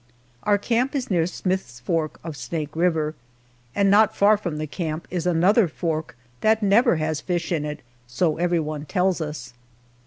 Our camp is near Smith's fork of Snake River, and not far from the camp is another fork that never has fish in it so everyone tells us.